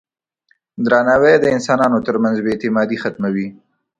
درناوی د انسانانو ترمنځ بې اعتمادي ختموي.